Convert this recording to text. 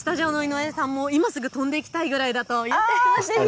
スタジオの井上さんも今すぐ飛んでいきたいぐらいだと言ってますよ。